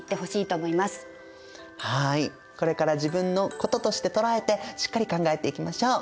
はいこれから自分のこととして捉えてしっかり考えていきましょう。